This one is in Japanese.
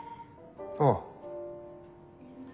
ああ。